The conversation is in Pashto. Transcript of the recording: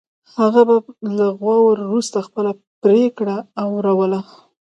هغه به له غور وروسته خپله پرېکړه اوروله.